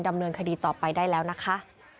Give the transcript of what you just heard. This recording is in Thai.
ดำเนินคดีต่อไปได้แล้วนะคะ